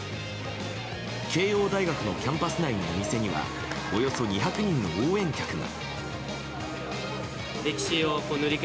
慶応大学のキャンパス内の店にはおよそ２００人の応援客が。